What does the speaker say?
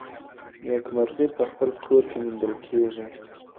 نېکمرغي په خپل کور کي موندل کیږي.